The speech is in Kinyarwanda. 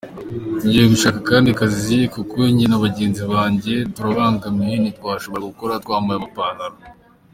Ngiye gushaka akandi kazi kuko njye na bagenzi banjye turabangamiwe, ntitwashobora gukora twambaye amapantaro.